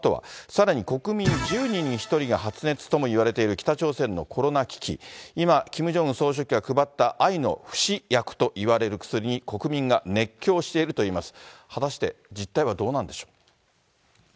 さらに国民１０人に１人が発熱ともいわれている北朝鮮のコロナ危機、今、キム・ジョンウン総書記が配った愛の不死薬といわれる薬に、国民が熱狂しているといいます。